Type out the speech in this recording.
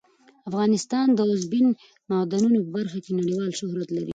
افغانستان د اوبزین معدنونه په برخه کې نړیوال شهرت لري.